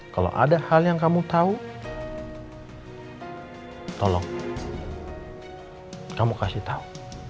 kalau ada hal yang kamu tahu tolong kamu kasih tahu